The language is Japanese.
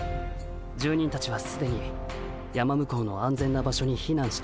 住人たちはすでに山向こうの安全な場所にひなんしている。